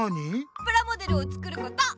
プラモデルを作ること！